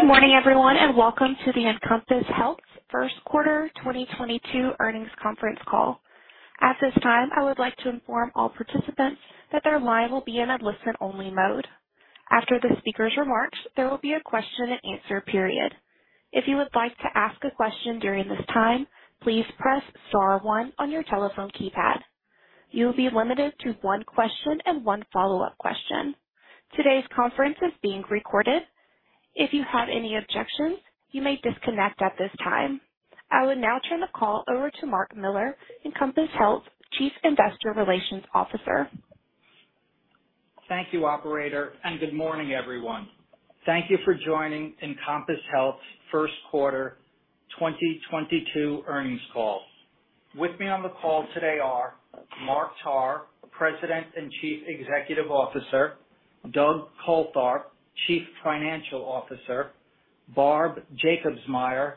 Good morning, everyone, and welcome to the Encompass Health First Quarter 2022 Earnings Conference Call. At this time, I would like to inform all participants that their line will be in a listen-only mode. After the speaker's remarks, there will be a question and answer period. If you would like to ask a question during this time, please press star one on your telephone keypad. You'll be limited to one question and one follow-up question. Today's conference is being recorded. If you have any objections, you may disconnect at this time. I will now turn the call over to Mark Miller, Encompass Health Chief Investor Relations Officer. Thank you, operator, and good morning, everyone. Thank you for joining Encompass Health's first quarter 2022 earnings call. With me on the call today are Mark Tarr, President and Chief Executive Officer, Doug Coltharp, Chief Financial Officer, Barb Jacobsmeyer,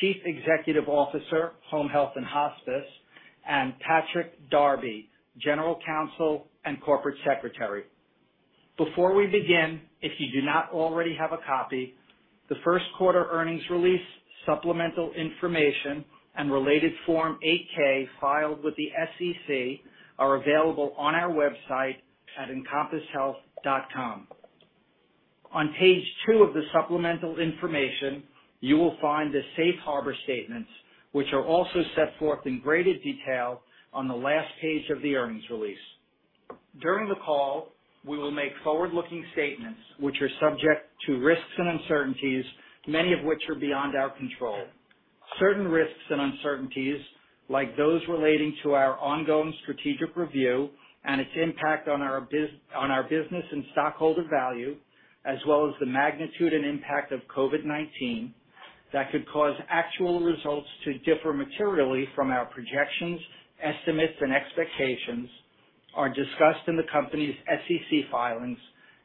Chief Executive Officer, Home Health and Hospice, and Patrick Darby, General Counsel and Corporate Secretary. Before we begin, if you do not already have a copy, the first quarter earnings release, supplemental information, and related Form 8-K filed with the SEC are available on our website at encompasshealth.com. On page 2 of the supplemental information, you will find the safe harbor statements, which are also set forth in greater detail on the last page of the earnings release. During the call, we will make forward-looking statements which are subject to risks and uncertainties, many of which are beyond our control. Certain risks and uncertainties, like those relating to our ongoing strategic review and its impact on our business and stockholder value, as well as the magnitude and impact of COVID-19, that could cause actual results to differ materially from our projections, estimates, and expectations are discussed in the company's SEC filings,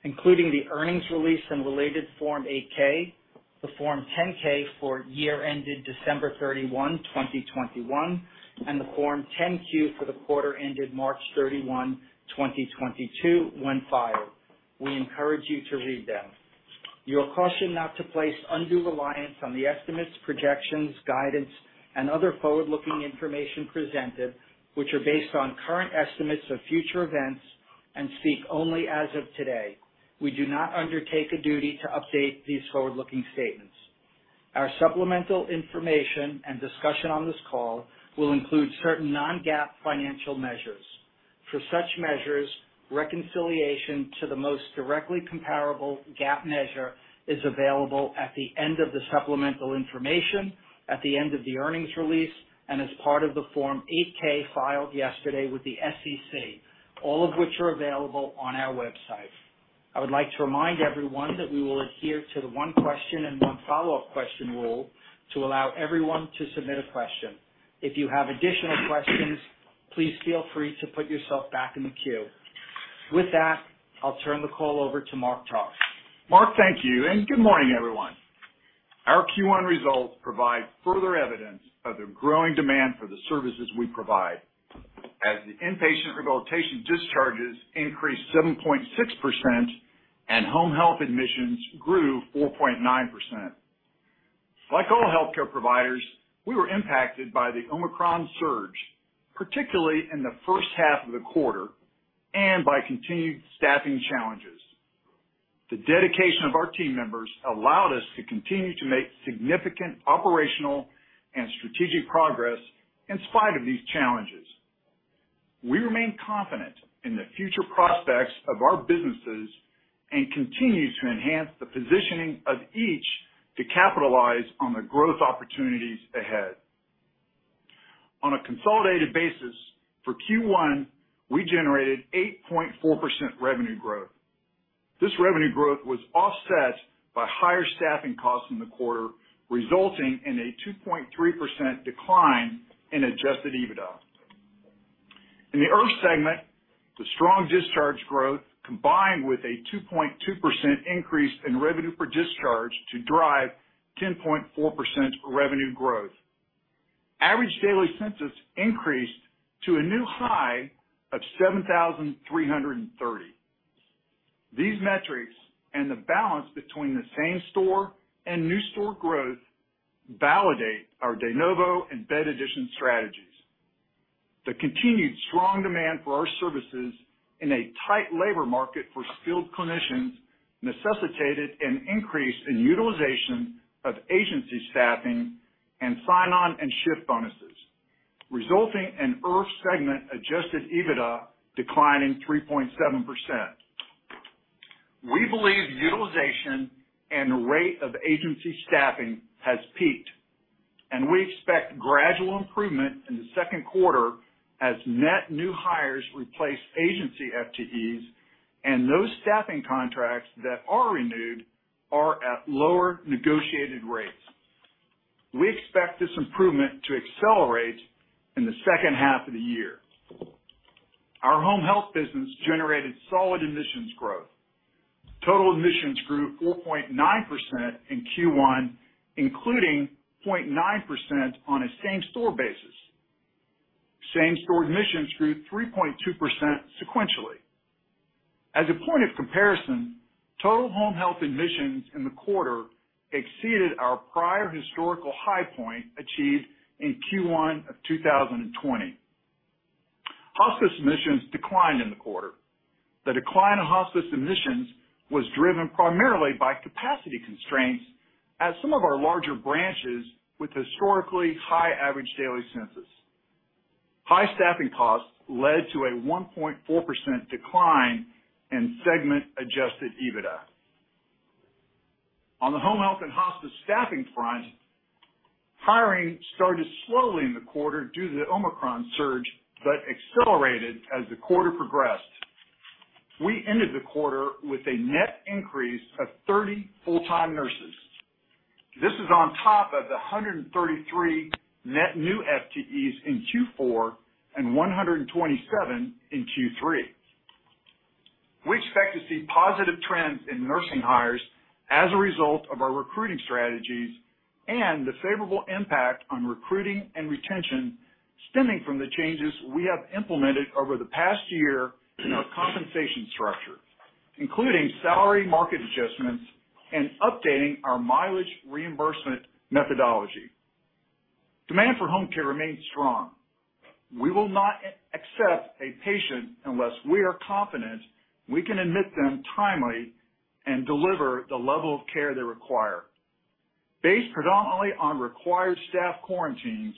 including the earnings release and related Form 8-K, the Form 10-K for year ended December 31, 2021, and the Form 10-Q for the quarter ended March 31, 2022 when filed. We encourage you to read them. You are cautioned not to place undue reliance on the estimates, projections, guidance, and other forward-looking information presented, which are based on current estimates of future events and speak only as of today. We do not undertake a duty to update these forward-looking statements. Our supplemental information and discussion on this call will include certain non-GAAP financial measures. For such measures, reconciliation to the most directly comparable GAAP measure is available at the end of the supplemental information, at the end of the earnings release, and as part of the Form 8-K filed yesterday with the SEC, all of which are available on our website. I would like to remind everyone that we will adhere to the one question and one follow-up question rule to allow everyone to submit a question. If you have additional questions, please feel free to put yourself back in the queue. With that, I'll turn the call over to Mark Tarr. Mark, thank you, and good morning, everyone. Our Q1 results provide further evidence of the growing demand for the services we provide, as the inpatient rehabilitation discharges increased 7.6% and home health admissions grew 4.9%. Like all healthcare providers, we were impacted by the Omicron surge, particularly in the first half of the quarter, and by continued staffing challenges. The dedication of our team members allowed us to continue to make significant operational and strategic progress in spite of these challenges. We remain confident in the future prospects of our businesses and continue to enhance the positioning of each to capitalize on the growth opportunities ahead. On a consolidated basis, for Q1, we generated 8.4% revenue growth. This revenue growth was offset by higher staffing costs in the quarter, resulting in a 2.3% decline in adjusted EBITDA. In the IRF segment, the strong discharge growth combined with a 2.2% increase in revenue per discharge to drive 10.4% revenue growth. Average daily census increased to a new high of 7,330. These metrics and the balance between the same-store and new-store growth validate our de novo and bed addition strategies. The continued strong demand for our services in a tight labor market for skilled clinicians necessitated an increase in utilization of agency staffing and sign-on and shift bonuses, resulting in IRF segment adjusted EBITDA declining 3.7%. We believe utilization and rate of agency staffing has peaked, and we expect gradual improvement in the second quarter as net new hires replace agency FTEs and those staffing contracts that are renewed are at lower negotiated rates. We expect this improvement to accelerate in the second half of the year. Our home health business generated solid admissions growth. Total admissions grew 4.9% in Q1, including 0.9% on a same-store basis. Same-store admissions grew 3.2% sequentially. As a point of comparison, total home health admissions in the quarter exceeded our prior historical high point achieved in Q1 of 2020. Hospice admissions declined in the quarter. The decline in hospice admissions was driven primarily by capacity constraints at some of our larger branches with historically high average daily census. High staffing costs led to a 1.4% decline in segment adjusted EBITDA. On the home health and hospice staffing front, hiring started slowly in the quarter due to the Omicron surge, but accelerated as the quarter progressed. We ended the quarter with a net increase of 30 full-time nurses. This is on top of the 133 net new FTEs in Q4 and 127 in Q3. We expect to see positive trends in nursing hires as a result of our recruiting strategies and the favorable impact on recruiting and retention stemming from the changes we have implemented over the past year in our compensation structure, including salary market adjustments and updating our mileage reimbursement methodology. Demand for home care remains strong. We will not accept a patient unless we are confident we can admit them timely and deliver the level of care they require. Based predominantly on required staff quarantines,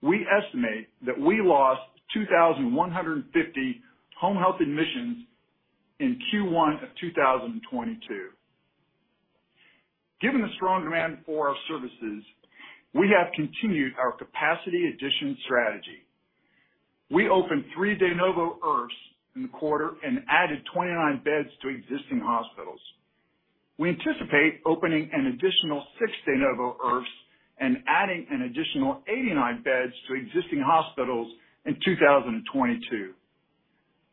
we estimate that we lost 2,150 home health admissions in Q1 of 2022. Given the strong demand for our services, we have continued our capacity addition strategy. We opened 3 de novo IRFs in the quarter and added 29 beds to existing hospitals. We anticipate opening an additional 6 de novo IRFs and adding an additional 89 beds to existing hospitals in 2022.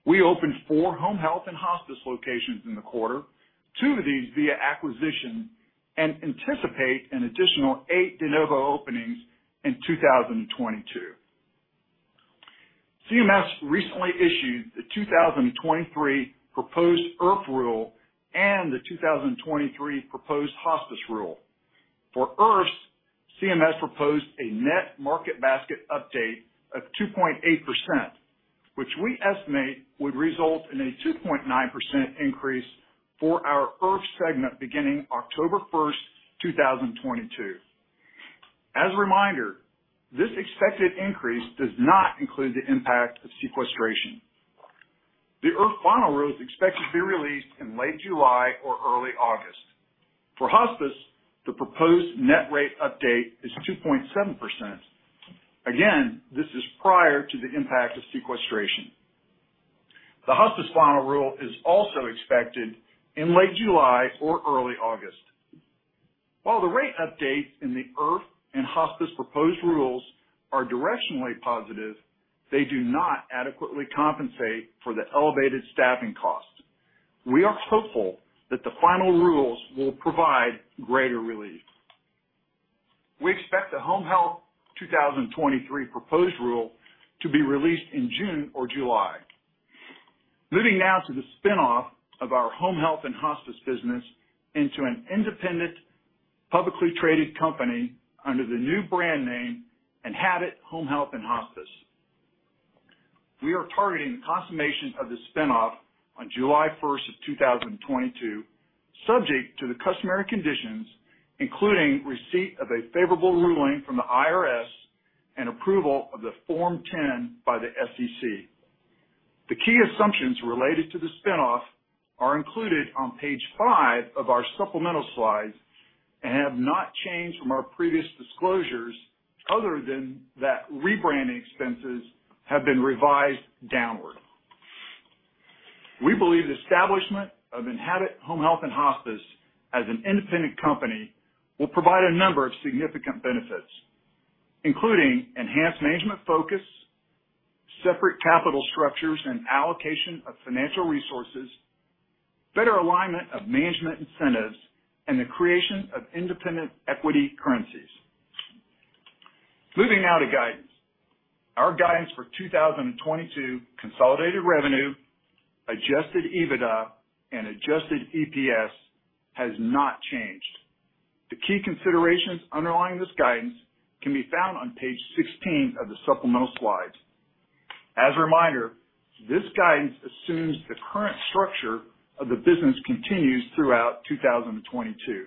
We opened 4 home health and hospice locations in the quarter, 2 of these via acquisition, and anticipate an additional 8 de novo openings in 2022. CMS recently issued the 2023 proposed IRF rule and the 2023 proposed hospice rule. For IRFs, CMS proposed a net market basket update of 2.8%, which we estimate would result in a 2.9% increase for our IRF segment beginning October 1, 2022. As a reminder, this expected increase does not include the impact of sequestration. The IRF final rule is expected to be released in late July or early August. For hospice, the proposed net rate update is 2.7%. Again, this is prior to the impact of sequestration. The hospice final rule is also expected in late July or early August. While the rate updates in the IRF and hospice proposed rules are directionally positive, they do not adequately compensate for the elevated staffing costs. We are hopeful that the final rules will provide greater relief. We expect the Home Health 2023 proposed rule to be released in June or July. Moving now to the spin-off of our home health and hospice business into an independent, publicly traded company under the new brand name, Enhabit Home Health & Hospice. We are targeting the consummation of the spin-off on July 1, 2022, subject to the customary conditions, including receipt of a favorable ruling from the IRS and approval of the Form 10 by the SEC. The key assumptions related to the spin-off are included on page 5 of our supplemental slides and have not changed from our previous disclosures, other than that rebranding expenses have been revised downward. We believe the establishment of Enhabit Home Health & Hospice as an independent company will provide a number of significant benefits, including enhanced management focus, separate capital structures and allocation of financial resources, better alignment of management incentives, and the creation of independent equity currencies. Moving now to guidance. Our guidance for 2022 consolidated revenue, adjusted EBITDA, and adjusted EPS has not changed. The key considerations underlying this guidance can be found on page 16 of the supplemental slides. As a reminder, this guidance assumes the current structure of the business continues throughout 2022.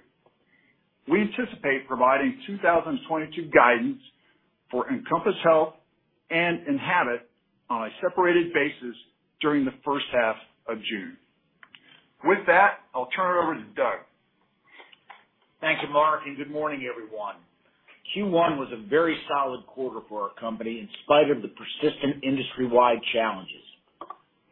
We anticipate providing 2022 guidance for Encompass Health and Enhabit on a separate basis during the first half of June. With that, I'll turn it over to Doug. Thank you, Mark, and good morning, everyone. Q1 was a very solid quarter for our company, in spite of the persistent industry-wide challenges.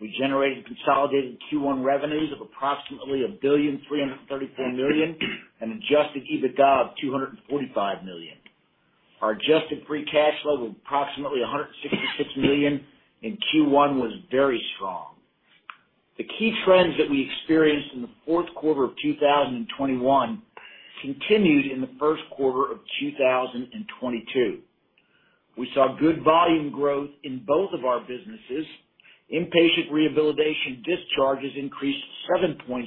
We generated consolidated Q1 revenues of approximately $1.334 billion and adjusted EBITDA of $245 million. Our adjusted free cash flow of approximately $166 million in Q1 was very strong. The key trends that we experienced in the fourth quarter of 2021 continued in the first quarter of 2022. We saw good volume growth in both of our businesses. Inpatient rehabilitation discharges increased 7.6%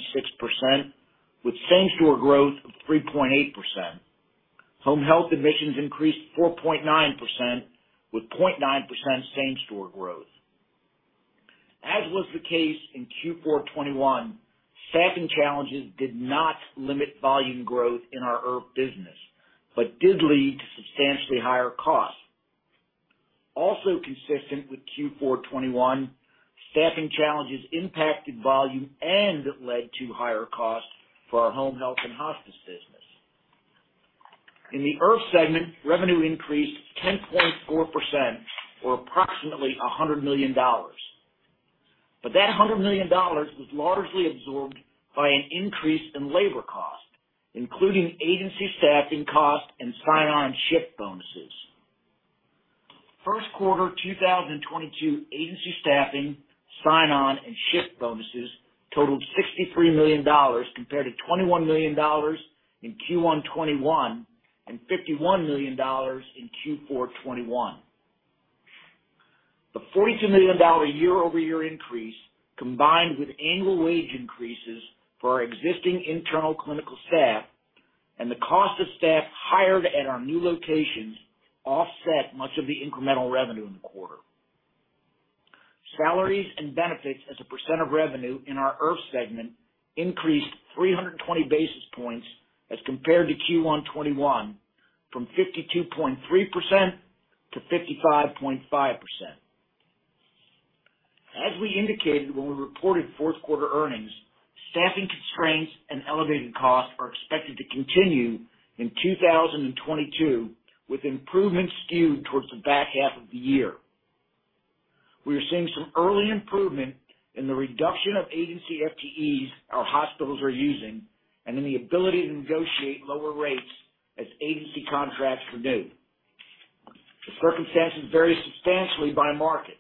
with same-store growth of 3.8%. Home health admissions increased 4.9% with 0.9% same-store growth. As was the case in Q4 2021, staffing challenges did not limit volume growth in our IRF business, but did lead to substantially higher costs. Also consistent with Q4 2021, staffing challenges impacted volume and led to higher costs for our home health and hospice business. In the IRF segment, revenue increased 10.4% or approximately $100 million. That $100 million was largely absorbed by an increase in labor cost, including agency staffing cost and sign-on shift bonuses. First quarter 2022 agency staffing, sign-on, and shift bonuses totaled $63 million compared to $21 million in Q1 2021 and $51 million in Q4 2021. The $42 million year-over-year increase, combined with annual wage increases for our existing internal clinical staff and the cost of staff hired at our new locations, offset much of the incremental revenue in the quarter. Salaries and benefits as a percent of revenue in our IRF segment increased 320 basis points as compared to Q1 2021 from 52.3%-55.5%. As we indicated when we reported fourth quarter earnings, staffing constraints and elevated costs are expected to continue in 2022, with improvements skewed towards the back half of the year. We are seeing some early improvement in the reduction of agency FTEs our hospitals are using and in the ability to negotiate lower rates as agency contracts renew. The circumstances vary substantially by market.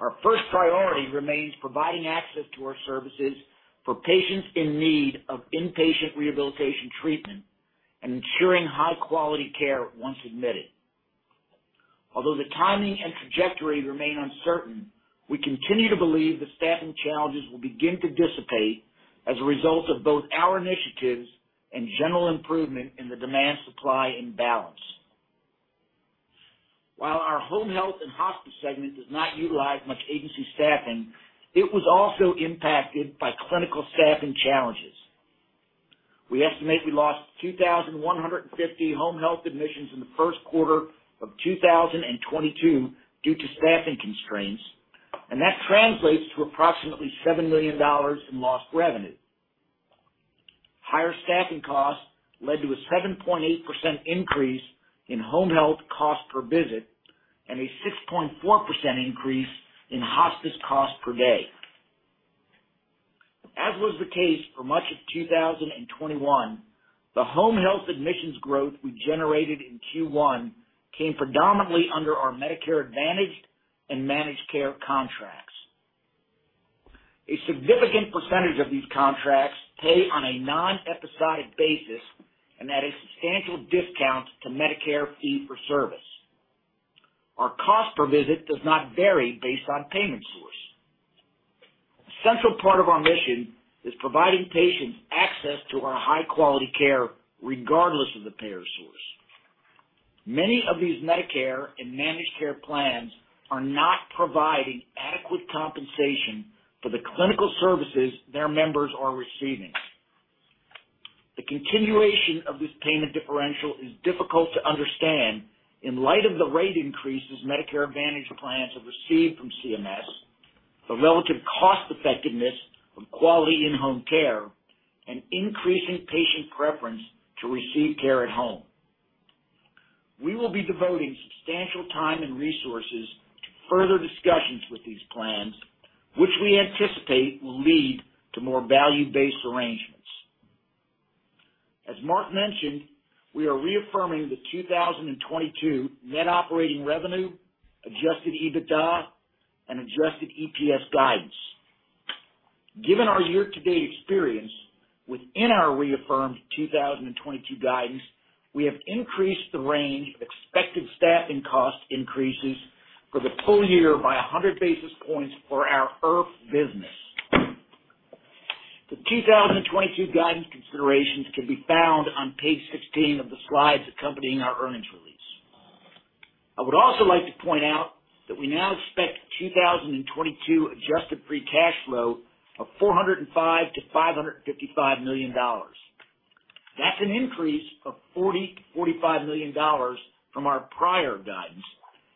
Our first priority remains providing access to our services for patients in need of inpatient rehabilitation treatment and ensuring high-quality care once admitted. Although the timing and trajectory remain uncertain, we continue to believe the staffing challenges will begin to dissipate as a result of both our initiatives and general improvement in the demand-supply imbalance. While our home health and hospice segment does not utilize much agency staffing, it was also impacted by clinical staffing challenges. We estimate we lost 2,150 home health admissions in the first quarter of 2022 due to staffing constraints, and that translates to approximately $7 million in lost revenue. Higher staffing costs led to a 7.8% increase in home health cost per visit and a 6.4% increase in hospice cost per day. As was the case for much of 2021, the home health admissions growth we generated in Q1 came predominantly under our Medicare Advantage and managed care contracts. A significant percentage of these contracts pay on a non-episodic basis, and at a substantial discount to Medicare fee-for-service. Our cost per visit does not vary based on payment source. A central part of our mission is providing patients access to our high-quality care regardless of the payer source. Many of these Medicare and managed care plans are not providing adequate compensation for the clinical services their members are receiving. The continuation of this payment differential is difficult to understand in light of the rate increases Medicare Advantage plans have received from CMS, the relative cost effectiveness of quality in-home care, and increasing patient preference to receive care at home. We will be devoting substantial time and resources to further discussions with these plans, which we anticipate will lead to more value-based arrangements. As Mark mentioned, we are reaffirming the 2022 net operating revenue, Adjusted EBITDA, and Adjusted EPS guidance. Given our year-to-date experience within our reaffirmed 2022 guidance, we have increased the range of expected staffing cost increases for the full year by 100 basis points for our IRF business. The 2022 guidance considerations can be found on page 16 of the slides accompanying our earnings release. I would also like to point out that we now expect 2022 adjusted free cash flow of $405 million-$555 million. That's an increase of $40 million-$45 million from our prior guidance,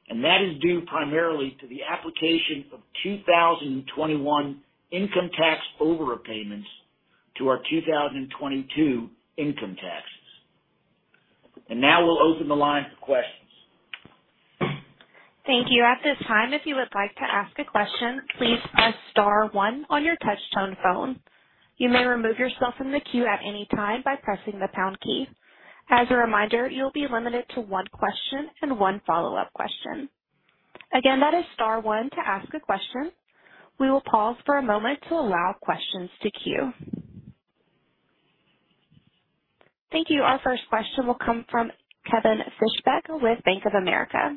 and that is due primarily to the application of 2021 income tax overpayments to our 2022 income taxes. Now we'll open the line for questions. Thank you. At this time, if you would like to ask a question, please press star one on your touchtone phone. You may remove yourself from the queue at any time by pressing the pound key. As a reminder, you'll be limited to one question and one follow-up question. Again, that is star one to ask a question. We will pause for a moment to allow questions to queue. Thank you. Our first question will come from Kevin Fischbeck with Bank of America.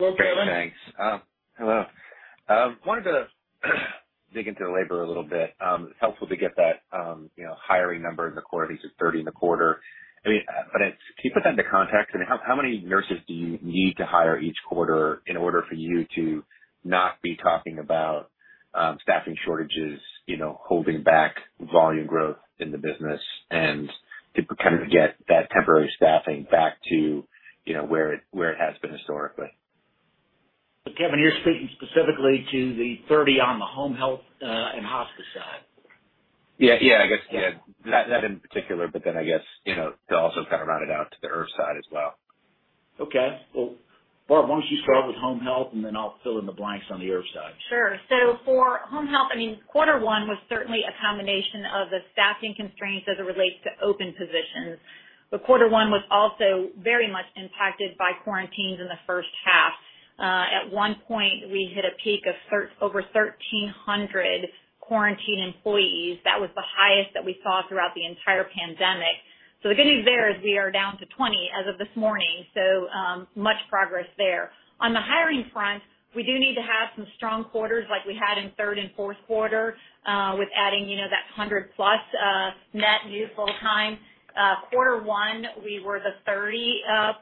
Okay, thanks. Hello. Wanted to dig into the labor a little bit. It's helpful to get that, you know, hiring number in the quarter, at least 30 in the quarter. I mean, can you put that into context? I mean, how many nurses do you need to hire each quarter in order for you to not be talking about, you know, staffing shortages holding back volume growth in the business and to kind of get that temporary staffing back to, you know, where it has been historically? Kevin, you're speaking specifically to the 30 on the home health and hospice side. Yeah, I guess, yeah, that in particular, but then I guess, you know, to also kind of round it out to the IRF side as well. Okay. Well, Barb, why don't you start with home health, and then I'll fill in the blanks on the IRF side. Sure. For home health, I mean, quarter one was certainly a combination of the staffing constraints as it relates to open positions. Quarter one was also very much impacted by quarantines in the first half. At one point, we hit a peak of over 1,300 quarantined employees. That was the highest that we saw throughout the entire pandemic. The good news there is we are down to 20 as of this morning, so, much progress there. On the hiring front, we do need to have some strong quarters like we had in third and fourth quarter, with adding, you know, that 100+, net new full-time. Quarter one, we were at 30+.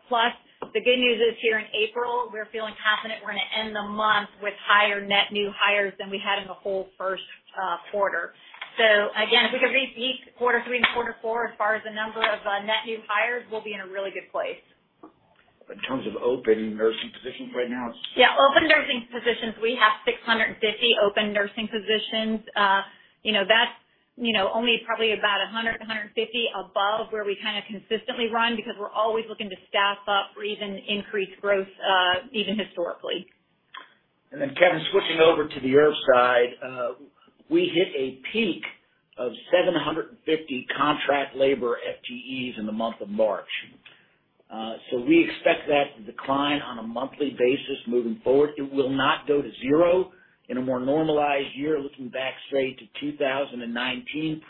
The good news is here in April, we're feeling confident we're gonna end the month with higher net new hires than we had in the whole first quarter. Again, if we can repeat quarter three and quarter four, as far as the number of net new hires, we'll be in a really good place. In terms of open nursing positions right now? Yeah. Open nursing positions, we have 650 open nursing positions. You know, that's only probably about 100-150 above where we kinda consistently run because we're always looking to staff up for even increased growth, even historically. Kevin, switching over to the IRF side, we hit a peak of 750 contract labor FTEs in the month of March. We expect that to decline on a monthly basis moving forward. It will not go to zero. In a more normalized year, looking back straight to 2019,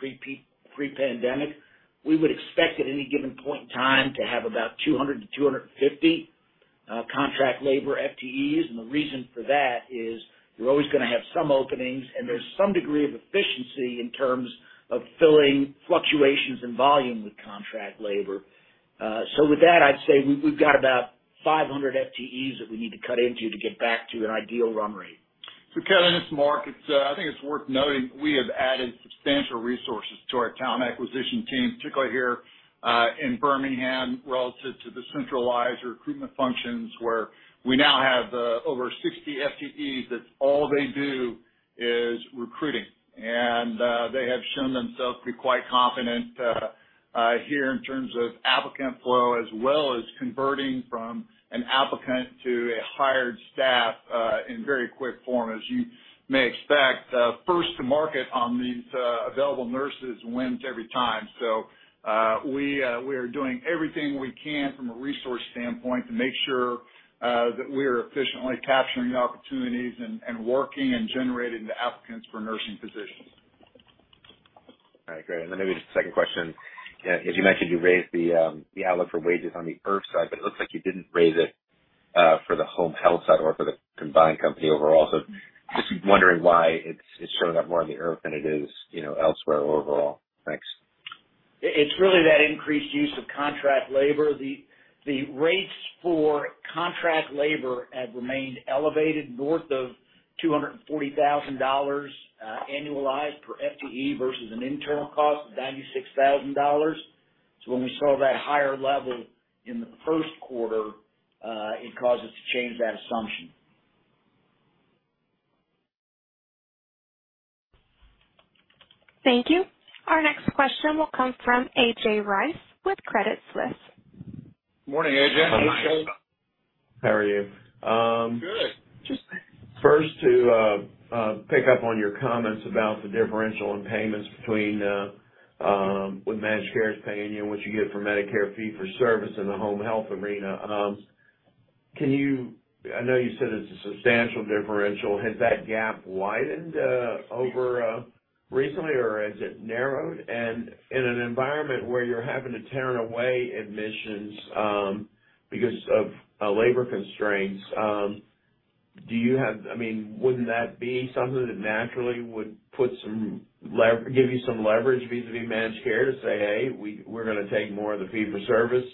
pre-pandemic, we would expect at any given point in time to have about 200-250 contract labor FTEs. The reason for that is you're always gonna have some openings, and there's some degree of efficiency in terms of filling fluctuations in volume with contract labor. With that, I'd say we've got about 500 FTEs that we need to cut into to get back to an ideal run rate. Kevin, it's Mark. It's I think it's worth noting we have added substantial resources to our talent acquisition team, particularly here in Birmingham, relative to the centralized recruitment functions, where we now have over 60 FTEs that all they do is recruiting. They have shown themselves to be quite competent here in terms of applicant flow, as well as converting from an applicant to a hired staff in very quick form. As you may expect, first to market on these available nurses wins every time. We are doing everything we can from a resource standpoint to make sure that we're efficiently capturing the opportunities and working and generating the applicants for nursing positions. All right, great. Maybe just a second question. As you mentioned, you raised the outlook for wages on the IRF side, but it looks like you didn't raise it for the home health side or for the combined company overall. Just wondering why it's showing up more on the IRF than it is, you know, elsewhere overall. Thanks. It's really that increased use of contract labor. The rates for contract labor have remained elevated north of $240,000 annualized per FTE versus an internal cost of $96,000. When we saw that higher level in the first quarter, it caused us to change that assumption. Thank you. Our next question will come from A.J. Rice with Credit Suisse. Morning, A.J. Hi. How are you? Good. Just fine. First, to pick up on your comments about the differential in payments between what managed care is paying you and what you get for Medicare fee-for-service in the home health arena. I know you said it's a substantial differential. Has that gap widened over recently, or has it narrowed? In an environment where you're having to turn away admissions because of labor constraints, I mean, wouldn't that be something that naturally would give you some leverage vis-a-vis managed care to say, "Hey, we're gonna take more of the fee-for-service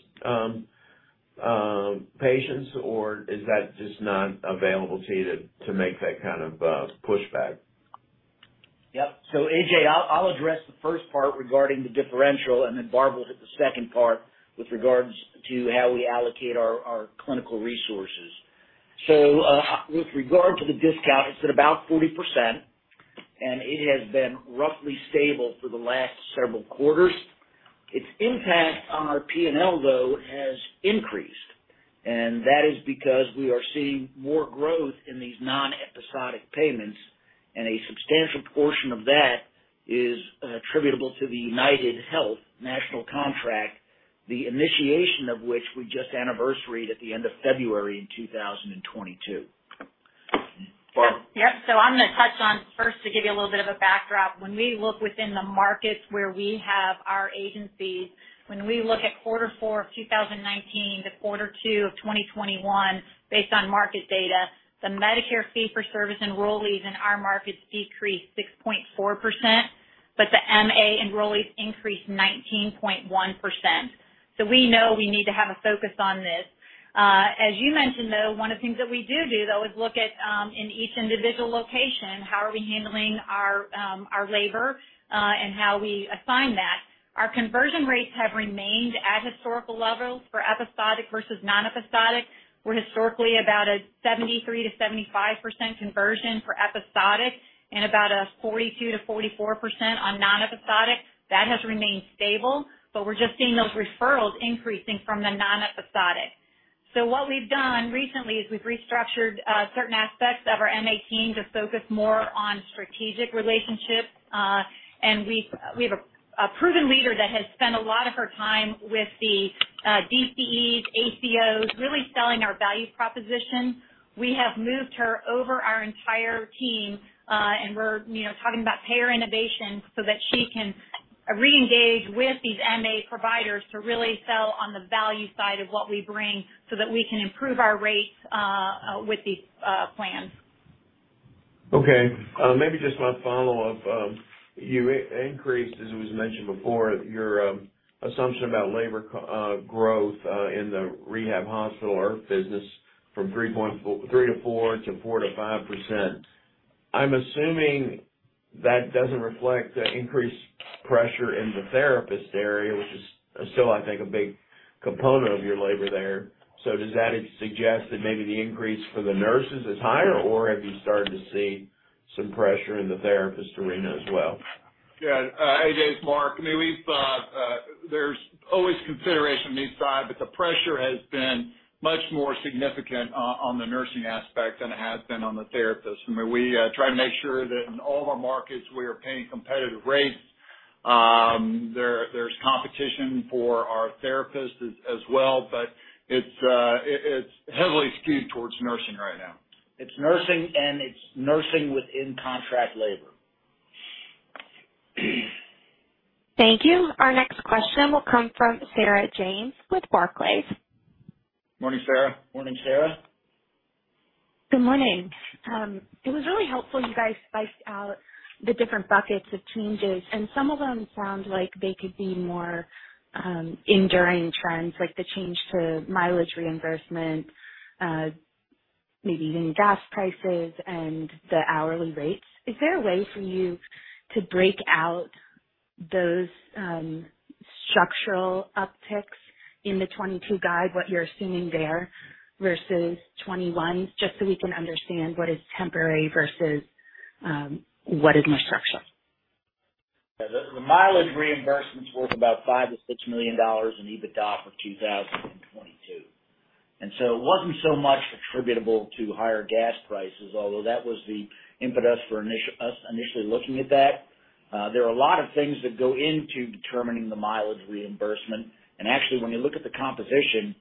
patients"? Or is that just not available to you to make that kind of pushback? Yep. AJ, I'll address the first part regarding the differential, and then Barb will hit the second part with regards to how we allocate our clinical resources. With regard to the discount, it's at about 40%, and it has been roughly stable for the last several quarters. Its impact on our P&L though has increased, and that is because we are seeing more growth in these non-episodic payments and a substantial portion of that is attributable to the UnitedHealth National Contract, the initiation of which we just anniversaried at the end of February in 2022. Barb? I'm gonna touch on first to give you a little bit of a backdrop. When we look within the markets where we have our agencies, when we look at quarter four of 2019 to quarter two of 2021, based on market data, the Medicare fee-for-service enrollees in our markets decreased 6.4%, but the MA enrollees increased 19.1%. We know we need to have a focus on this. As you mentioned, though, one of the things that we do though is look at in each individual location how we are handling our labor and how we assign that. Our conversion rates have remained at historical levels for episodic versus non-episodic. We're historically about a 73%-75% conversion for episodic and about a 42%-44% on non-episodic. That has remained stable, but we're just seeing those referrals increasing from the non-episodic. What we've done recently is we've restructured certain aspects of our MA team to focus more on strategic relationships. We have a proven leader that has spent a lot of her time with the DCEs, ACOs, really selling our value proposition. We have moved her over our entire team, and we're you know, talking about payer innovation so that she can reengage with these MA providers to really sell on the value side of what we bring so that we can improve our rates with these plans. Maybe just my follow-up. You increased, as it was mentioned before, your assumption about labor cost growth in the rehab hospital business from 3-4% to 4-5%. I'm assuming that doesn't reflect the increased pressure in the therapist area, which is still, I think, a big component of your labor there. Does that suggest that maybe the increase for the nurses is higher, or have you started to see some pressure in the therapist arena as well? Yeah. Hey, A.J., it's Mark. I mean, there's always consideration on each side, but the pressure has been much more significant on the nursing aspect than it has been on the therapist. I mean, we try to make sure that in all of our markets, we are paying competitive rates. There's competition for our therapists as well, but it's heavily skewed towards nursing right now. It's nursing, and it's nursing within contract labor. Thank you. Our next question will come from Sarah James with Barclays. Morning, Sarah. Morning, Sarah. Good morning. It was really helpful you guys spelled out the different buckets of changes, and some of them sound like they could be more enduring trends, like the change to mileage reimbursement, maybe even gas prices and the hourly rates. Is there a way for you to break out those structural upticks in the 2022 guide, what you're assuming there versus 2021's, just so we can understand what is temporary versus what is more structural? Yeah. The mileage reimbursements worth about $5-$6 million in EBITDA for 2022. It wasn't so much attributable to higher gas prices, although that was the impetus for us initially looking at that. There are a lot of things that go into determining the mileage reimbursement. When you look at the composition,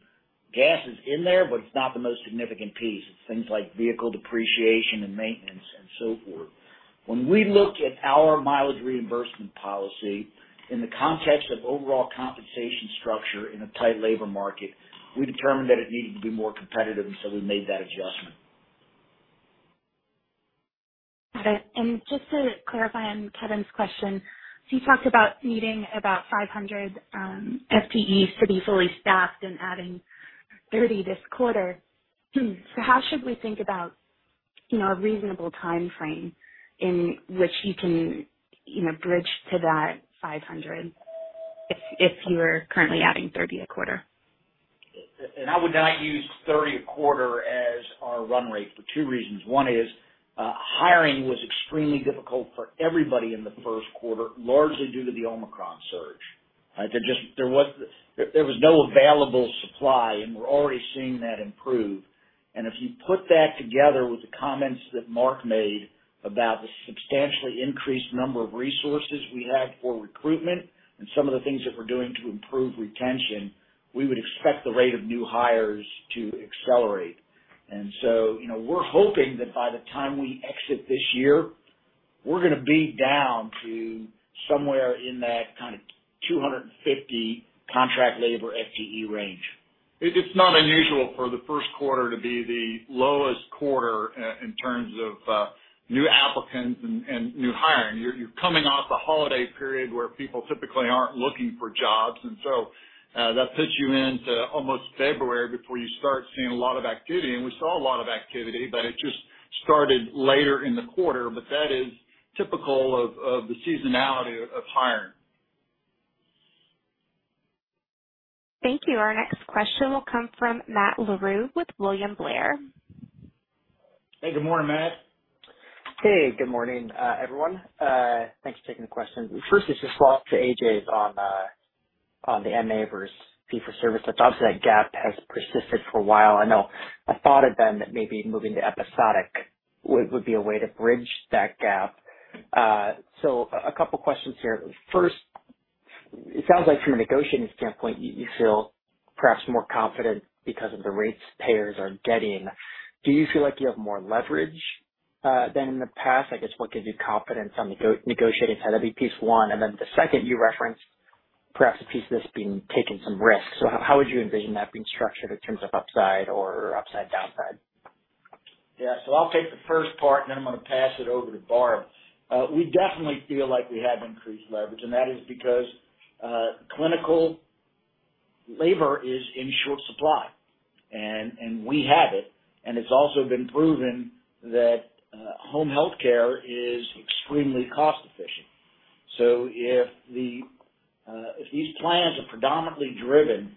gas is in there, but it's not the most significant piece. It's things like vehicle depreciation and maintenance and so forth. When we looked at our mileage reimbursement policy in the context of overall compensation structure in a tight labor market, we determined that it needed to be more competitive, and so we made that adjustment. Got it. Just to clarify on Kevin's question, you talked about needing about 500 FTEs to be fully staffed and adding 30 this quarter. How should we think about, you know, a reasonable timeframe in which you can, you know, bridge to that 500 if you are currently adding 30 a quarter? I would not use 30 a quarter as our run rate for two reasons. One is, hiring was extremely difficult for everybody in the first quarter, largely due to the Omicron surge. Right. There was no available supply, and we're already seeing that improve. If you put that together with the comments that Mark made about the substantially increased number of resources we have for recruitment and some of the things that we're doing to improve retention, we would expect the rate of new hires to accelerate. You know, we're hoping that by the time we exit this year, we're gonna be down to somewhere in that kind of 250 contract labor FTE range. It's not unusual for the first quarter to be the lowest quarter in terms of new applicants and new hiring. You're coming off a holiday period where people typically aren't looking for jobs, and so that puts you into almost February before you start seeing a lot of activity. We saw a lot of activity, but it just started later in the quarter. That is typical of the seasonality of hiring. Thank you. Our next question will come from Matt Larew with William Blair. Hey, good morning, Matt. Hey, good morning, everyone. Thanks for taking the question. First is just follow-up to A.J.'s on the MA versus fee-for-service. Obviously, that gap has persisted for a while. I know a thought had been that maybe moving to episodic would be a way to bridge that gap. So a couple questions here. First, it sounds like from a negotiating standpoint, you feel perhaps more confident because of the rates payers are getting. Do you feel like you have more leverage than in the past? I guess, what gives you confidence on negotiating side? That'd be piece one. The second you referenced perhaps a piece of this being taking some risks. So how would you envision that being structured in terms of upside or downside? Yeah. I'll take the first part, and then I'm gonna pass it over to Barb. We definitely feel like we have increased leverage, and that is because clinical labor is in short supply and we have it. It's also been proven that home health care is extremely cost efficient. If these plans are predominantly driven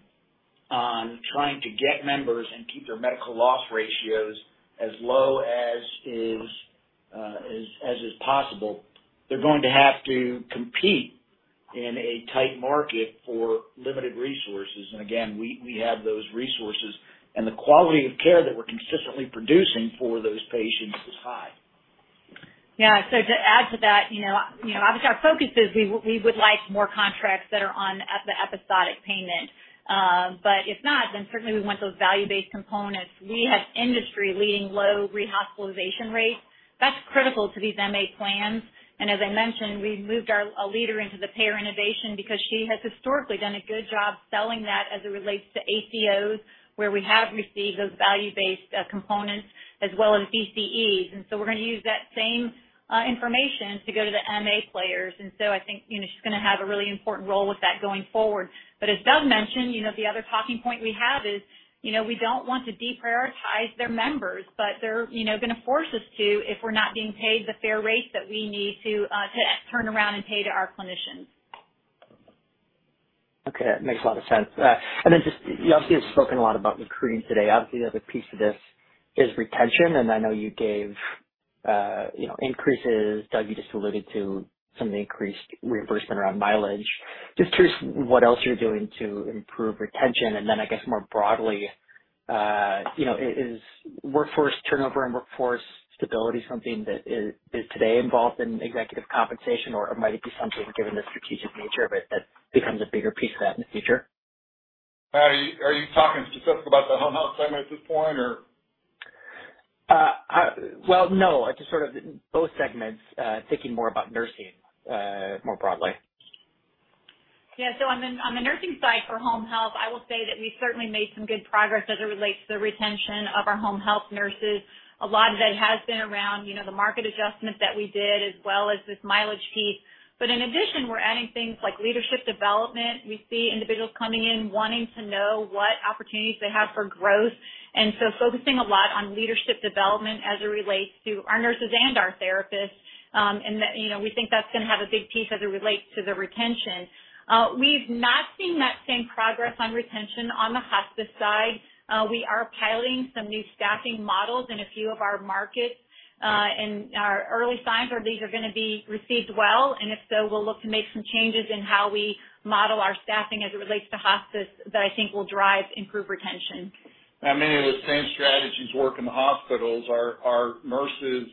on trying to get members and keep their medical loss ratios as low as is possible, they're going to have to compete in a tight market for limited resources. We have those resources, and the quality of care that we're consistently producing for those patients is high. Yeah. To add to that, you know, obviously our focus is we would like more contracts that are on the episodic payment. But if not, then certainly we want those value-based components. We have industry-leading low rehospitalization rates. That's critical to these MA plans. As I mentioned, we've moved our leader into the payer innovation because she has historically done a good job selling that as it relates to ACOs, where we have received those value-based components as well as DCEs. We're gonna use that same information to go to the MA payers. I think, you know, she's gonna have a really important role with that going forward. As Doug mentioned, you know, the other talking point we have is, you know, we don't want to deprioritize their members, but they're, you know, gonna force us to, if we're not being paid the fair rates that we need to to turn around and pay to our clinicians. Okay. That makes a lot of sense. Just, you obviously have spoken a lot about recruiting today. Obviously, the other piece of this is retention, and I know you gave, you know, increases. Doug, you just alluded to some of the increased reimbursement around mileage. Just curious what else you're doing to improve retention. I guess more broadly, you know, is workforce turnover and workforce stability something that is today involved in executive compensation or might it be something, given the strategic nature of it, that becomes a bigger piece of that in the future? Matt, are you talking specifically about the home health segment at this point or? Well, no, just sort of both segments. Thinking more about nursing, more broadly. Yeah. On the nursing side for home health, I will say that we certainly made some good progress as it relates to the retention of our home health nurses. A lot of that has been around, you know, the market adjustment that we did as well as this mileage fee. In addition, we're adding things like leadership development. We see individuals coming in wanting to know what opportunities they have for growth, and so focusing a lot on leadership development as it relates to our nurses and our therapists. That, you know, we think that's gonna have a big piece as it relates to the retention. We've not seen that same progress on retention on the hospice side. We are piloting some new staffing models in a few of our markets, and our early signs are these are gonna be received well. If so, we'll look to make some changes in how we model our staffing as it relates to hospice that I think will drive improved retention. Many of the same strategies work in the hospitals. Our nurses,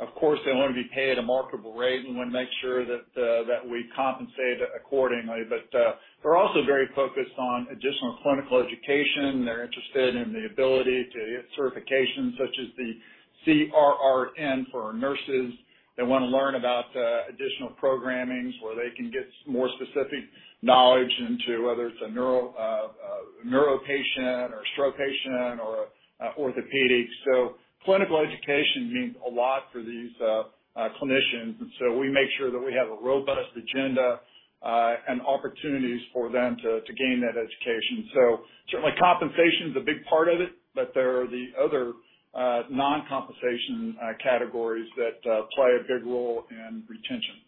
of course they wanna be paid a marketable rate and wanna make sure that we compensate accordingly. They're also very focused on additional clinical education. They're interested in the ability to get certifications such as the CRRN for our nurses. They wanna learn about additional programming where they can get more specific knowledge into whether it's a neuro patient or a stroke patient or orthopedics. Clinical education means a lot for these clinicians. We make sure that we have a robust agenda and opportunities for them to gain that education. Certainly compensation's a big part of it, but there are the other non-compensation categories that play a big role in retention.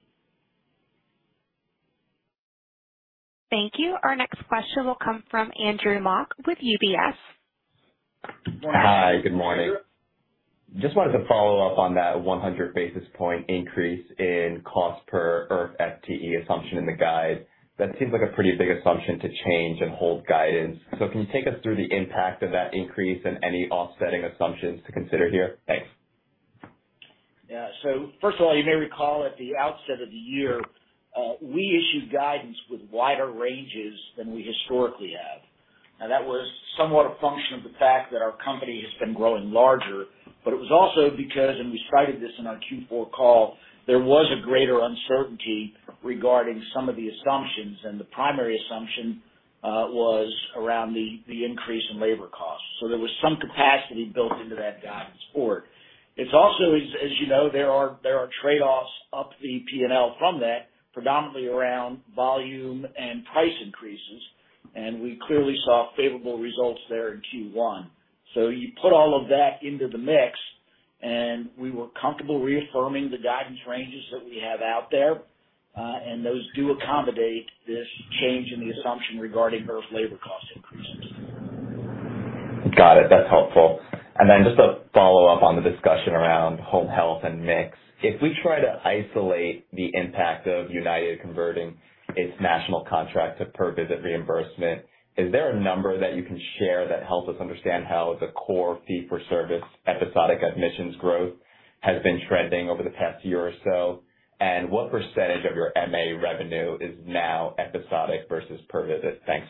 Thank you. Our next question will come from Andrew Mok with UBS. Hi, good morning. Just wanted to follow up on that 100 basis point increase in cost per, or FTE assumption in the guide. That seems like a pretty big assumption to change and hold guidance. Can you take us through the impact of that increase and any offsetting assumptions to consider here? Thanks. Yeah. First of all, you may recall at the outset of the year, we issued guidance with wider ranges than we historically have. Now, that was somewhat a function of the fact that our company has been growing larger, but it was also because, and we cited this in our Q4 call, there was a greater uncertainty regarding some of the assumptions, and the primary assumption was around the increase in labor costs. There was some capacity built into that guidance forward. It's also, as you know, there are trade-offs up the P&L from that, predominantly around volume and price increases, and we clearly saw favorable results there in Q1. You put all of that into the mix, and we were comfortable reaffirming the guidance ranges that we have out there. Those do accommodate this change in the assumption regarding IRF labor cost increases. Got it. That's helpful. Just a follow-up on the discussion around home health and mix. If we try to isolate the impact of United converting its national contract to per-visit reimbursement, is there a number that you can share that helps us understand how the core fee-for-service episodic admissions growth has been trending over the past year or so? What percentage of your MA revenue is now episodic versus per visit? Thanks.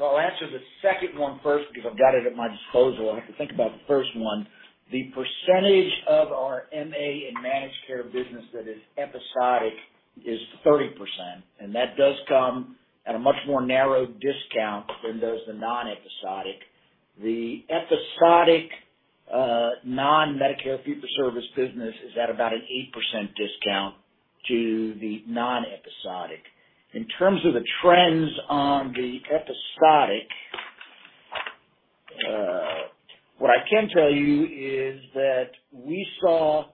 I'll answer the second one first because I've got it at my disposal. I have to think about the first one. The percentage of our MA and managed care business that is episodic is 30%, and that does come at a much more narrow discount than does the non-episodic. The episodic, non-Medicare fee-for-service business is at about an 8% discount to the non-episodic. In terms of the trends on the episodic, what I can tell you is that we saw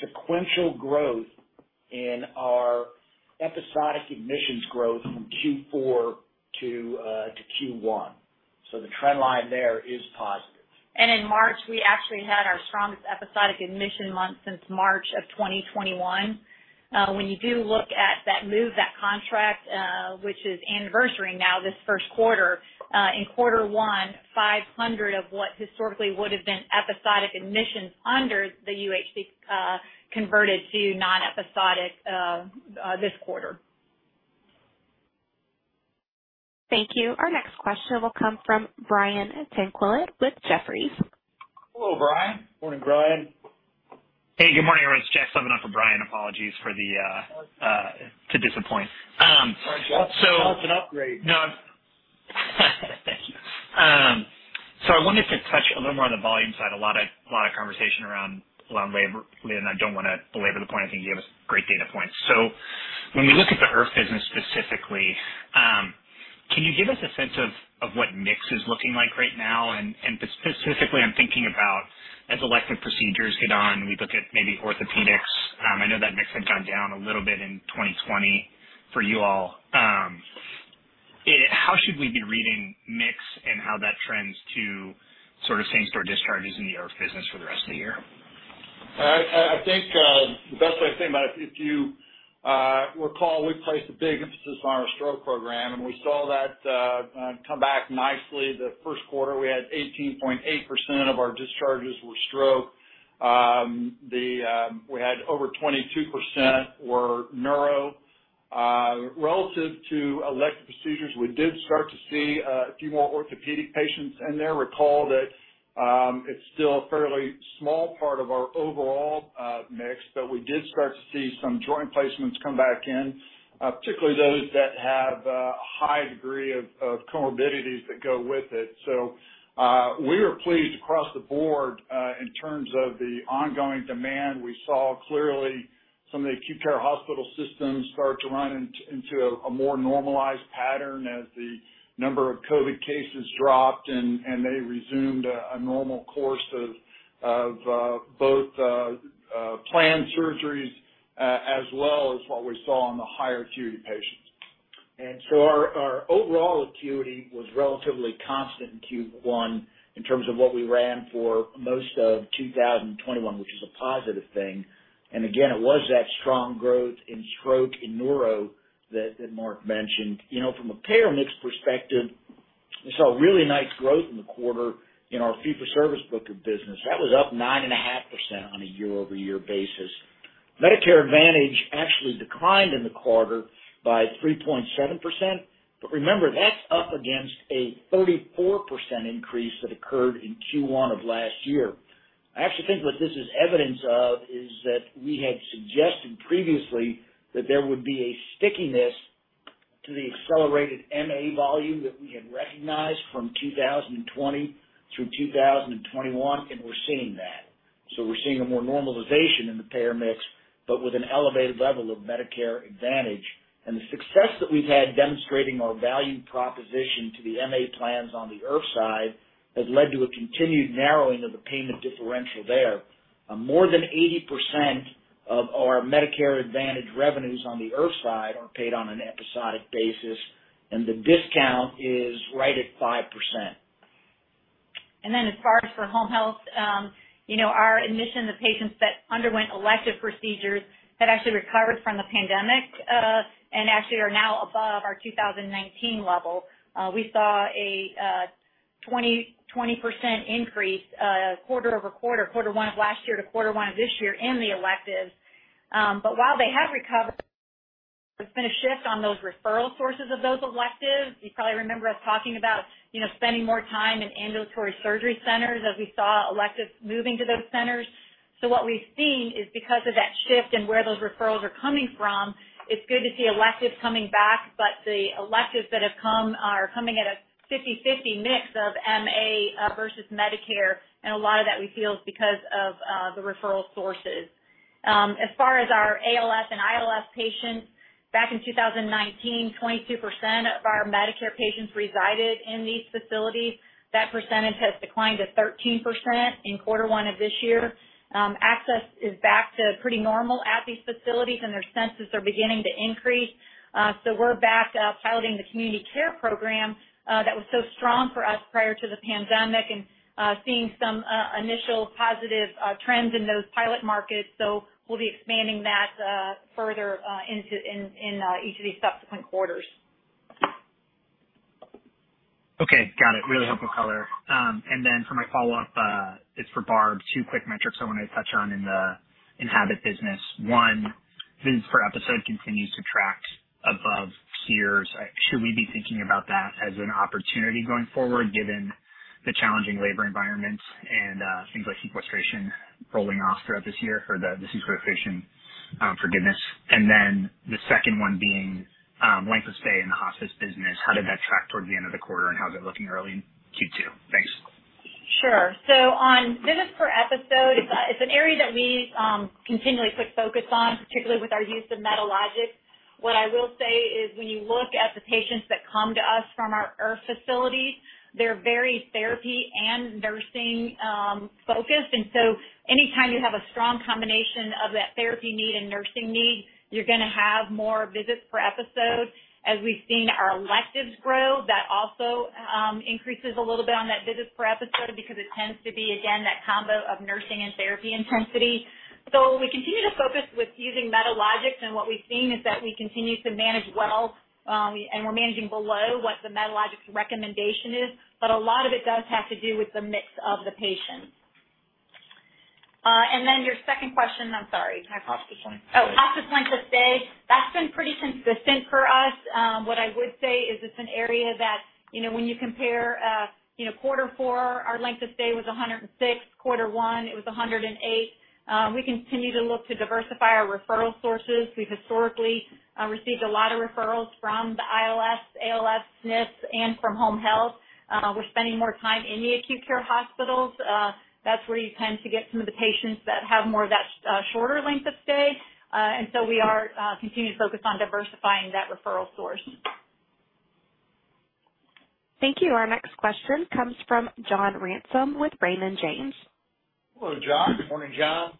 sequential growth in our episodic admissions growth from Q4 to Q1. The trend line there is positive. In March, we actually had our strongest episodic admission month since March of 2021. When you do look at that move, that contract, which is anniversary now this first quarter, in quarter one, 500 of what historically would have been episodic admissions under the UHC, converted to non-episodic this quarter. Thank you. Our next question will come from Brian Tanquilut with Jefferies. Hello, Brian. Morning, Brian. Hey, good morning, everyone. It's Jack for Brian. Apologies for the to disappoint. That's an upgrade. Thank you. I wanted to touch a little more on the volume side. A lot of conversation around labor, and I don't wanna belabor the point. I think you gave us great data points. When we look at the IRF business specifically, can you give us a sense of what mix is looking like right now? Specifically I'm thinking about as elective procedures get on, we look at maybe orthopedics. I know that mix had gone down a little bit in 2020 for you all. How should we be reading mix and how that trends to sort of same-store discharges in the IRF business for the rest of the year? I think the best way to think about it, if you recall, we placed a big emphasis on our stroke program, and we saw that come back nicely. The first quarter, we had 18.8% of our discharges were stroke. We had over 22% were neuro. Relative to elective procedures, we did start to see a few more orthopedic patients in there. Recall that, it's still a fairly small part of our overall mix, but we did start to see some joint placements come back in, particularly those that have a high degree of comorbidities that go with it. We are pleased across the board in terms of the ongoing demand. We saw clearly some of the acute care hospital systems start to run into a more normalized pattern as the number of COVID cases dropped and they resumed a normal course of both planned surgeries as well as what we saw on the higher acuity patients. Our overall acuity was relatively constant in Q1 in terms of what we ran for most of 2021, which is a positive thing. Again, it was that strong growth in stroke, in neuro that Mark mentioned. You know, from a payer mix perspective, we saw really nice growth in the quarter in our fee-for-service book of business. That was up 9.5% on a year-over-year basis. Medicare Advantage actually declined in the quarter by 3.7%, but remember, that's up against a 34% increase that occurred in Q1 of last year. I actually think what this is evidence of is that we had suggested previously that there would be a stickiness to the accelerated MA volume that we had recognized from 2020 through 2021, and we're seeing that. We're seeing a more normalization in the payer mix, but with an elevated level of Medicare Advantage. The success that we've had demonstrating our value proposition to the MA plans on the IRF side has led to a continued narrowing of the payment differential there. More than 80% of our Medicare Advantage revenues on the IRF side are paid on an episodic basis, and the discount is right at 5%. As far as for home health, you know, our admission of patients that underwent elective procedures had actually recovered from the pandemic, and actually are now above our 2019 level. We saw a 20% increase quarter over quarter one of last year to quarter one of this year in the electives. While they have recovered, there's been a shift on those referral sources of those electives. You probably remember us talking about, you know, spending more time in ambulatory surgery centers as we saw electives moving to those centers. What we've seen is because of that shift and where those referrals are coming from, it's good to see electives coming back, but the electives that have come are coming at a 50/50 mix of MA versus Medicare, and a lot of that we feel is because of the referral sources. As far as our ALF and ILF patients. Back in 2019, 22% of our Medicare patients resided in these facilities. That percentage has declined to 13% in Q1 of this year. Access is back to pretty normal at these facilities, and their census is beginning to increase. We're back piloting the community care program that was so strong for us prior to the pandemic and seeing some initial positive trends in those pilot markets. We'll be expanding that further in each of these subsequent quarters. Okay. Got it. Really helpful color. For my follow-up, it's for Barb. Two quick metrics I wanna touch on in the Enhabit business. One, visits per episode continues to track above peers. Should we be thinking about that as an opportunity going forward, given the challenging labor environment and things like sequestration rolling off throughout this year for the sequestration forgiveness? The second one being length of stay in the hospice business. How did that track toward the end of the quarter, and how's it looking early in Q2? Thanks. Sure. On visits per episode, it's an area that we continually put focus on, particularly with our use of Medalogix. What I will say is, when you look at the patients that come to us from our IRF facility, they're very therapy and nursing focused. Anytime you have a strong combination of that therapy need and nursing need, you're gonna have more visits per episode. As we've seen our electives grow, that also increases a little bit on that visits per episode because it tends to be, again, that combo of nursing and therapy intensity. We continue to focus with using Medalogix, and what we've seen is that we continue to manage well, and we're managing below what the Medalogix recommendation is, but a lot of it does have to do with the mix of the patients. Your second question. I'm sorry. Hospice length. Oh, hospice length of stay. That's been pretty consistent for us. What I would say is it's an area that, you know, when you compare, you know, quarter four, our length of stay was 106. Quarter one, it was 108. We continue to look to diversify our referral sources. We've historically received a lot of referrals from the ILF, ALF, SNF, and from home health. We're spending more time in the acute care hospitals. That's where you tend to get some of the patients that have more of that shorter length of stay. We are continuing to focus on diversifying that referral source. Thank you. Our next question comes from John Ransom with Raymond James. Hello, John. Morning, John.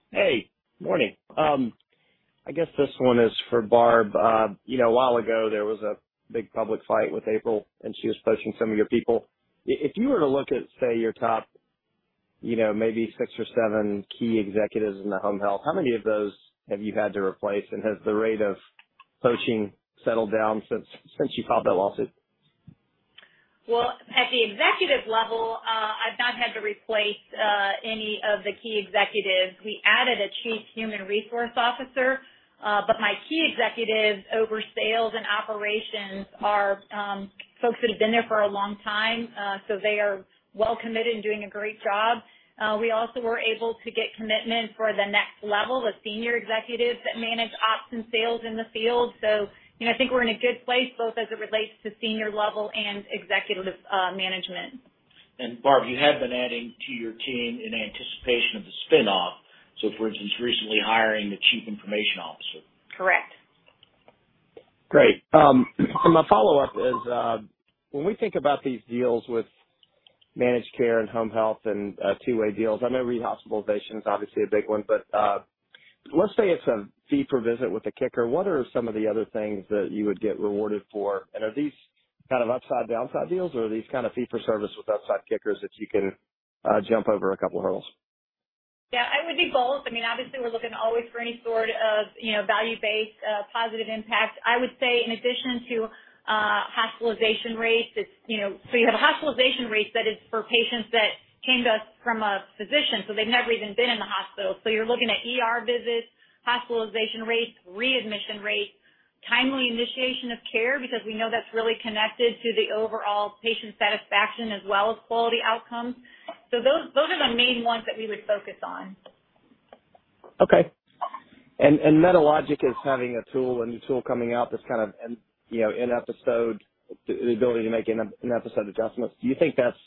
Morning. I guess this one is for Barb. You know, a while ago, there was a big public fight with April, and she was poaching some of your people. If you were to look at, say, your top, you know, maybe 6 or 7 key executives in the home health, how many of those have you had to replace? And has the rate of poaching settled down since you filed that lawsuit? Well, at the executive level, I've not had to replace any of the key executives. We added a chief human resources officer, but my key executives over sales and operations are folks that have been there for a long time, so they are well committed and doing a great job. We also were able to get commitment for the next level, the senior executives that manage ops and sales in the field. You know, I think we're in a good place both as it relates to senior level and executive management. Barb, you have been adding to your team in anticipation of the spinoff, so for instance, recently hiring the chief information officer. Correct. Great. My follow-up is, when we think about these deals with managed care and home health and two-way deals, I know rehospitalization is obviously a big one, but let's say it's a fee for visit with a kicker. What are some of the other things that you would get rewarded for? And are these kind of upside-downside deals, or are these kind of fee for service with upside kickers that you can jump over a couple hurdles? Yeah, it would be both. I mean, obviously, we're looking always for any sort of, you know, value-based positive impact. I would say in addition to hospitalization rates, it's, you know, you have hospitalization rates that is for patients that came to us from a physician, so they've never even been in the hospital. You're looking at ER visits, hospitalization rates, readmission rates, timely initiation of care, because we know that's really connected to the overall patient satisfaction as well as quality outcomes. Those are the main ones that we would focus on. Okay. Medalogix is having a tool, a new tool coming out that's kind of an, you know, in episode, the ability to make an episode adjustments. Do you think that's,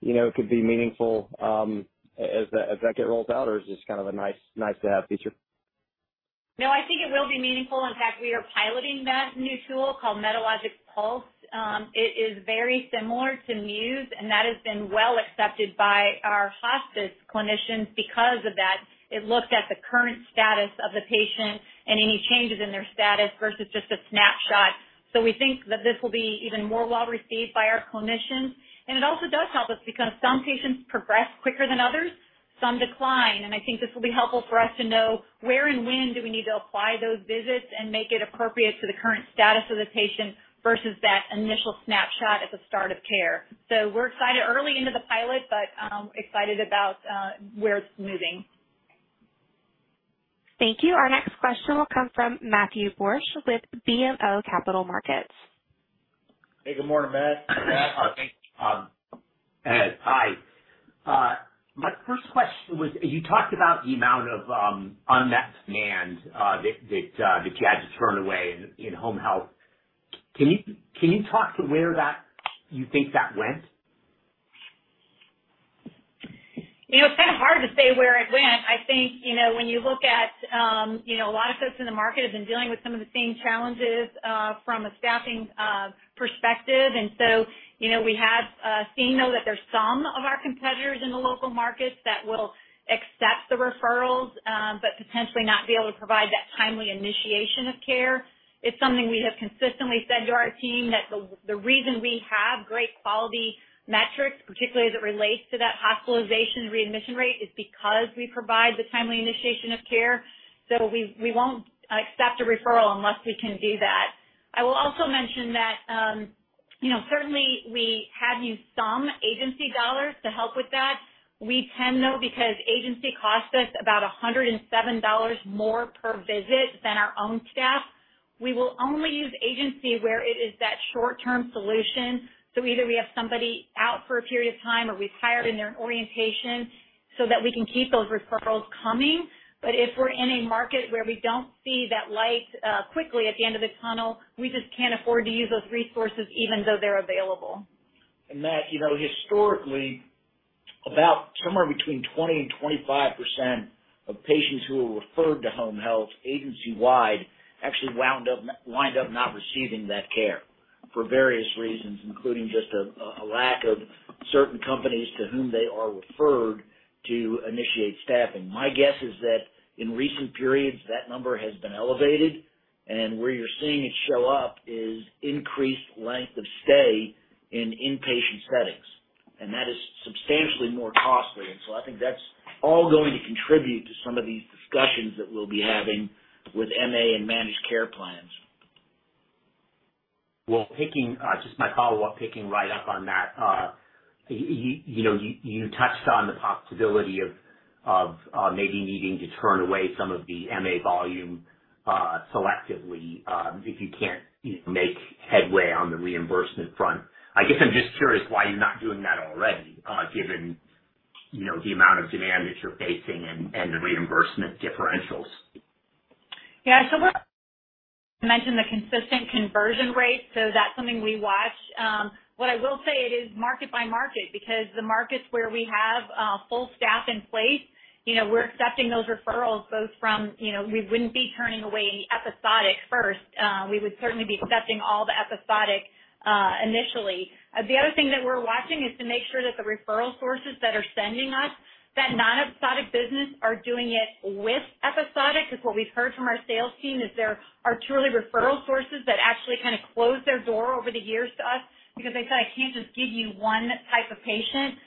you know, could be meaningful, as that get rolled out, or is this kind of a nice-to-have feature? No, I think it will be meaningful. In fact, we are piloting that new tool called Medalogix Pulse. It is very similar to Muse, and that has been well accepted by our hospice clinicians. Because of that, it looks at the current status of the patient and any changes in their status versus just a snapshot. We think that this will be even more well received by our clinicians. It also does help us because some patients progress quicker than others, some decline. I think this will be helpful for us to know where and when do we need to apply those visits and make it appropriate to the current status of the patient versus that initial snapshot at the start of care. We're excited early into the pilot, but excited about where it's moving. Thank you. Our next question will come from Matthew Borsch with BMO Capital Markets. Hey. Good morning, Matt. Matt, hi. My first question was, you talked about the amount of unmet demand that you had to turn away in home health. Can you talk to where you think that went? You know, it's kind of hard to say where it went. I think, you know, when you look at, you know, a lot of folks in the market have been dealing with some of the same challenges, from a staffing perspective. You know, we have seen, though, that there's some of our competitors in the local markets that will accept the referrals, but potentially not be able to provide that timely initiation of care. It's something we have consistently said to our team that the reason we have great quality metrics, particularly as it relates to that hospitalization readmission rate, is because we provide the timely initiation of care. We won't accept a referral unless we can do that. I will also mention that, you know, certainly we have used some agency dollars to help with that. We tend, though, because agency costs us about $107 more per visit than our own staff, we will only use agency where it is that short-term solution. Either we have somebody out for a period of time or we've hired and they're in orientation so that we can keep those referrals coming. If we're in a market where we don't see that light quickly at the end of the tunnel, we just can't afford to use those resources even though they're available. Matt, you know, historically, about somewhere between 20%-25% of patients who are referred to home health agency-wide actually wind up not receiving that care for various reasons, including just a lack of certain companies to whom they are referred to initiate staffing. My guess is that in recent periods, that number has been elevated. Where you're seeing it show up is increased length of stay in inpatient settings, and that is substantially more costly. I think that's all going to contribute to some of these discussions that we'll be having with MA and managed care plans. Well, just my follow-up, picking right up on that. You know, you touched on the possibility of maybe needing to turn away some of the MA volume, selectively, if you can't, you know, make headway on the reimbursement front. I guess I'm just curious why you're not doing that already, given, you know, the amount of demand that you're facing and the reimbursement differentials. We've mentioned the consistent conversion rate. That's something we watch. What I will say, it is market by market because the markets where we have full staff in place, you know, we're accepting those referrals both from, you know, we wouldn't be turning away any episodic first. We would certainly be accepting all the episodic initially. The other thing that we're watching is to make sure that the referral sources that are sending us that non-episodic business are doing it with episodic. Because what we've heard from our sales team is there are truly referral sources that actually kinda closed their door over the years to us because they said, "I can't just give you one type of patient."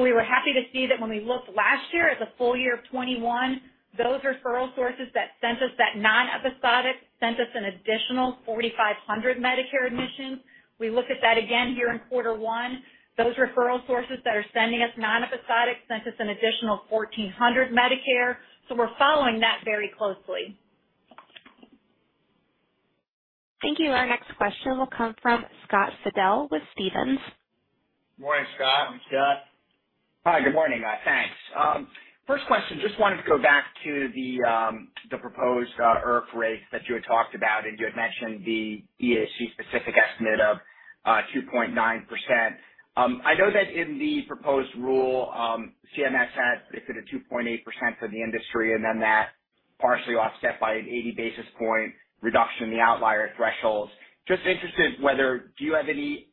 We were happy to see that when we looked last year at the full year of 2021, those referral sources that sent us that non-episodic sent us an additional 4,500 Medicare admissions. We look at that again here in quarter one. Those referral sources that are sending us non-episodic sent us an additional 1,400 Medicare. We're following that very closely. Thank you. Our next question will come from Scott Fidel with Stephens. Morning, Scott. Hi. Good morning, guys. Thanks. First question, just wanted to go back to the proposed IRF rates that you had talked about, and you had mentioned the EHC specific estimate of 2.9%. I know that in the proposed rule, CMS had listed a 2.8% for the industry and then that partially offset by an 80 basis point reduction in the outlier thresholds. Just interested whether do you have any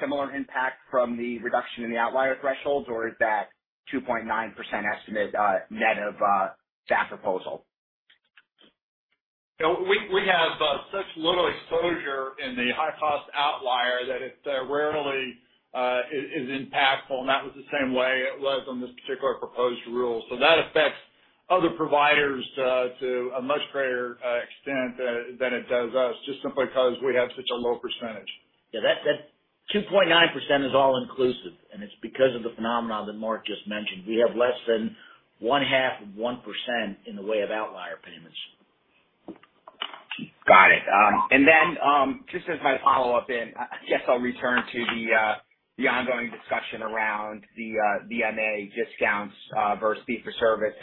similar impact from the reduction in the outlier thresholds, or is that 2.9% estimate net of that proposal? You know, we have such little exposure in the high cost outlier that it rarely is impactful, and that was the same way it was on this particular proposed rule. That affects other providers to a much greater extent than it does us, just simply 'cause we have such a low percentage. Yeah, that 2.9% is all inclusive, and it's because of the phenomenon that Mark just mentioned. We have less than 0.5% in the way of outlier payments. Got it. Just as my follow-up, I guess I'll return to the ongoing discussion around the MA discounts versus fee for service.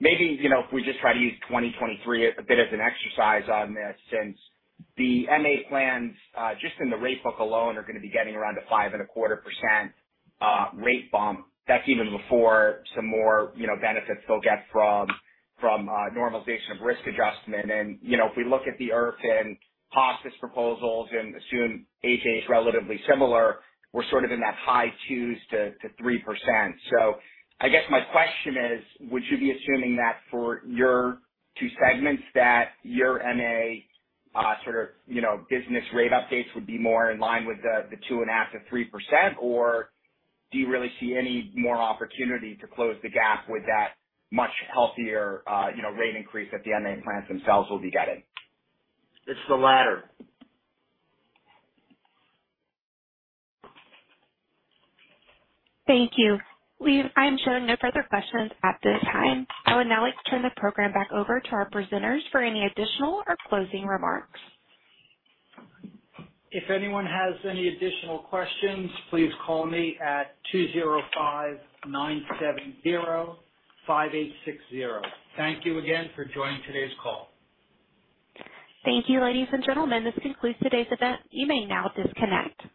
Maybe, you know, if we just try to use 2023 a bit of an exercise on this, since the MA plans just in the rate book alone are gonna be getting around a 5.25% rate bump. That's even before some more, you know, benefits they'll get from normalization of risk adjustment. If we look at the IRF and hospice proposals and assume HH is relatively similar, we're sort of in that high 2s-3%. I guess my question is, would you be assuming that for your two segments, that your MA, sort of, you know, business rate updates would be more in line with the 2.5%-3%? Or do you really see any more opportunity to close the gap with that much healthier, you know, rate increase that the MA plans themselves will be getting? It's the latter. Thank you. I'm showing no further questions at this time. I would now like to turn the program back over to our presenters for any additional or closing remarks. If anyone has any additional questions, please call me at 205-970-5860. Thank you again for joining today's call. Thank you, ladies and gentlemen. This concludes today's event. You may now disconnect.